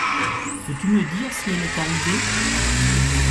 Peux-tu me dire si elle est arrivée ?